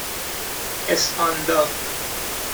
اسپاندا